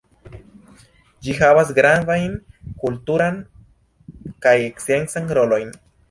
Ĝi havas gravajn kulturan kaj sciencan rolojn.